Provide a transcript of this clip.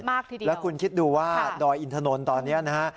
มากทีเดียวคุณคิดดูว่าดอยอินทนนตอนนี้นะฮะ